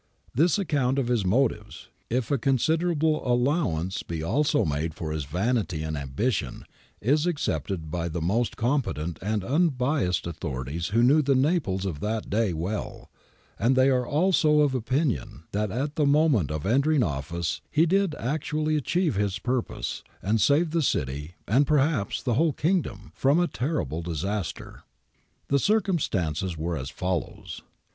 ^ This account of his motives, if a considerable allowance be also made for his vanity and ambition, is accepted by the most competent and un biassed authorities who knew the Naples of that day well, and they are also of opinion that at the moment of entering office he did actually achieve his purpose and save the city and perhaps the whole Kingdom from a terrible disaster.^ The circumstances were as follows.